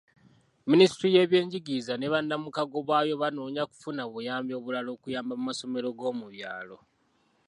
Minisitule y'ebyenjigiriza ne bannamukago baayo banoonya kufuna buyambi obulala okuyamba amasomero g'omu byalo.